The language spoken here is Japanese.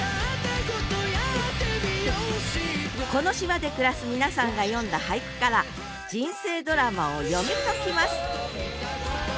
この島で暮らす皆さんが詠んだ俳句から人生ドラマを読み解きます！